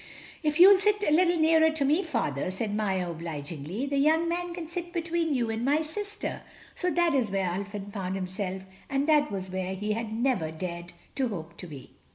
"If you'll sit a little nearer to me, Father," said Maia obligingly, "the young man can sit between you and my sister." So that is where Ulfin found himself, and that was where he had never dared to hope to be.